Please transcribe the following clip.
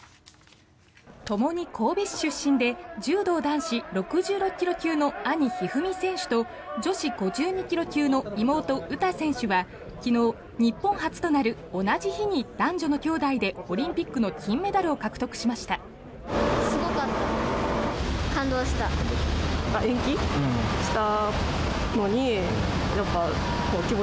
ともに神戸市出身で柔道男子６６ｋｇ級の兄・一二三選手と女子５２ｋｇ級の妹・詩選手は昨日、日本初となる同じ日に男女の兄妹でオリンピックの金メダルを獲得しました。